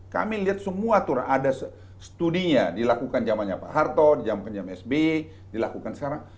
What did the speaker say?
kami lihat semua turun ada studinya dilakukan jamannya pak harto jam jam sby dilakukan sekarang